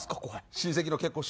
親戚の結婚式？